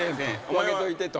分けといて」と。